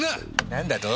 何だと！？